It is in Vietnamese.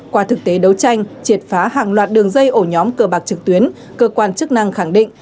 qua thực tế đấu tranh triệt phá hàng loạt đường dây ổ nhóm cờ bạc trực tuyến cơ quan chức năng khẳng định